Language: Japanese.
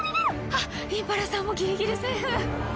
あぁインパラさんもギリギリセーフ